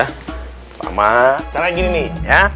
pertama caranya gini nih ya